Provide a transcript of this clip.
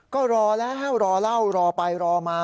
ก็รอแล้วรอเล่ารอไปรอมา